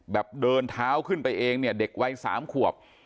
แบบเดินเท้าขึ้นไปเองเด็กวัย๓ขวบ